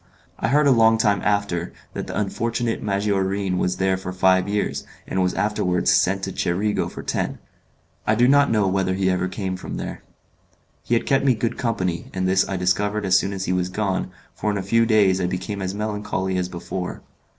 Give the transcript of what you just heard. I heard, a long time after, that the unfortunate Maggiorin was there for five years, and was afterwards sent to Cerigo for ten. I do not know whether he ever came from there. He had kept me good company, and this I discovered as soon as he was gone, for in a few days I became as melancholy as before.